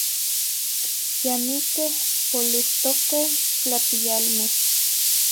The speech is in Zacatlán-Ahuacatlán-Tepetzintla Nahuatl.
Ya miqueh n poliutoqueh n tlahpiyalmeh.